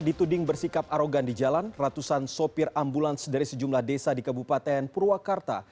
dituding bersikap arogan di jalan ratusan sopir ambulans dari sejumlah desa di kabupaten purwakarta